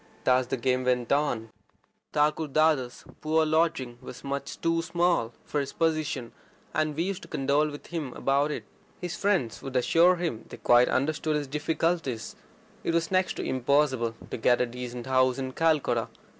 And so the game went on. His poor lodging was much too small for his position, and we used to condole with him about it. His friends would assure him they quite understood his difficulties: it was next to impossible to get a decent house in Calcutta.